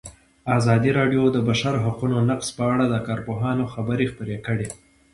ازادي راډیو د د بشري حقونو نقض په اړه د کارپوهانو خبرې خپرې کړي.